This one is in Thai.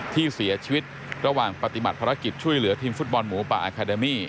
ที่เสียชีวิตระหว่างปฏิบัติภารกิจช่วยเหลือทีมฟุตบอลหมูป่าอาคาเดมี่